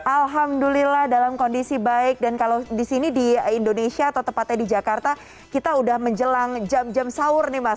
alhamdulillah dalam kondisi baik dan kalau di sini di indonesia atau tepatnya di jakarta kita udah menjelang jam jam sahur nih mas